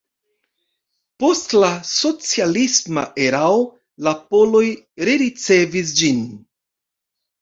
Post la socialisma erao la poloj rericevis ĝin.